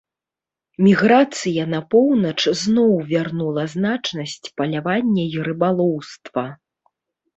Міграцыя на поўнач зноў вярнула значнасць палявання і рыбалоўства.